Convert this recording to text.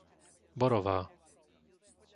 Borová